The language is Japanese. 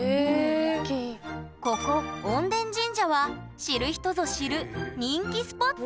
ここ穏田神社は知る人ぞ知る人気スポット！